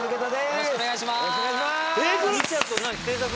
よろしくお願いします。